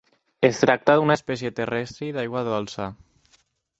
Es tracta d'una espècie terrestre i d'aigua dolça.